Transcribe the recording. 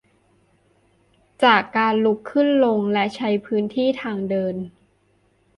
จากการลุกขึ้นลงและใช้พื้นที่ทางเดิน